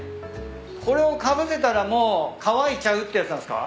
これをかぶせたらもう乾いちゃうってやつなんすか？